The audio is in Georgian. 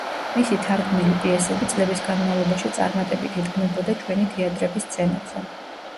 მისი თარგმნილი პიესები წლების განმავლობაში წარმატებით იდგმებოდა ჩვენი თეატრების სცენებზე.